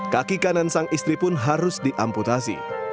kaki kanan sang istri pun harus diamputasi